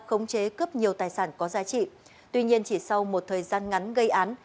khống chế cướp nhiều tài sản có giá trị tuy nhiên chỉ sau một thời gian ngắn gây án